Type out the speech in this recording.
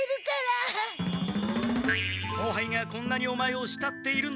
後輩がこんなにオマエをしたっているんだ。